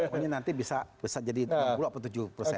maunya nanti bisa jadi tujuh persen